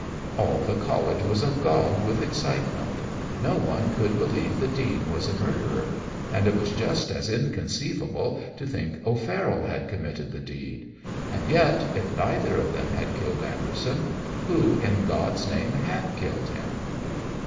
"All the College was agog with excitement. No one could believe the Dean was a murderer; and it was just as inconceivable to think O'Farroll had committed the deed. And yet if neither of them had killed Anderson, who in God's name had killed him?